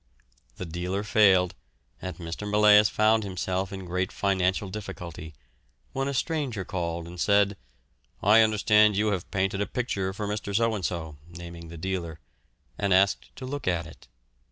The dealer failed, and Mr. Millais found himself in great financial difficulty, when a stranger called and said, "I understand you have painted a picture for Mr. " (naming the dealer), and asked to look at it.